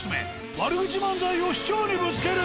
悪口漫才を市長にぶつける！